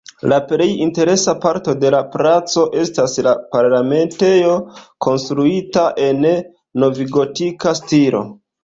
La plej interesa parto de la placo estas la Parlamentejo konstruita en novgotika stilo.